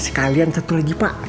sekalian satu lagi pak